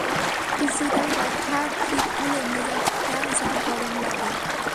পিচ্চিটার কথা ঠিক হলে মেজাজটা যা গরম লাগে!